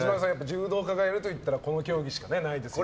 柔道家がやるといったらこの競技しかないですよね。